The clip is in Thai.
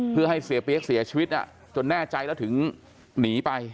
เพื่อให้เสียเปี๊ยกเสียชีวิตจนแน่ใจแล้วถึงหนีไป